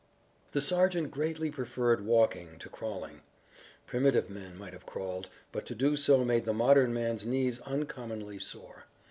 The sergeant greatly preferred walking to crawling. Primitive men might have crawled, but to do so made the modern man's knees uncommonly sore.